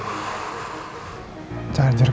ya sudah indifferent aja